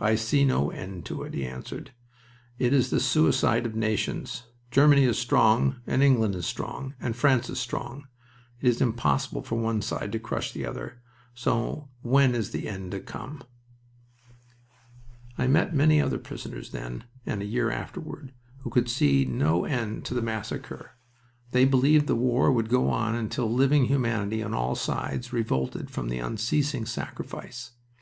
"I see no end to it," he answered. "It is the suicide of nations. Germany is strong, and England is strong, and France is strong. It is impossible for one side to crush the other, so when is the end to come?" I met many other prisoners then and a year afterward who could see no end of the massacre. They believed the war would go on until living humanity on all sides revolted from the unceasing sacrifice.